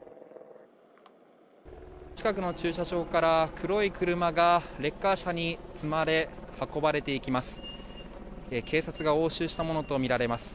近くの駐車場から黒い車がレッカー車に積まれ運ばれていきます。